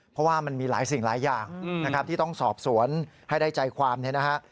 เพราะว่ามันมีหลายสิ่งหลายอย่างนะครับที่ต้องสอบสวนให้ได้ใจความเนี่ยนะฮะ